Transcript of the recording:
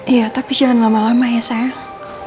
iya tapi jangan lama lama ya saya